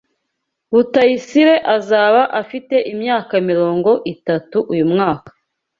Rutayisire azaba afite imyaka mirongo itatu uyu mwaka.